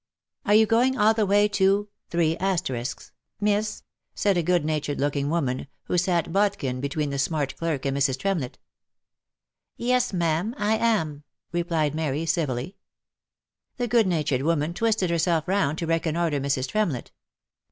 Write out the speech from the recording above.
"Are you going all the way to , miss?" said a goodnatured looking woman who sat bodkin between the smart clerk and Mrs. Tremlett. " Yes, ma'am, I am," replied Mary, civilly, The good natured woman twisted herself round to reconnoitre Mrs. Tremlett.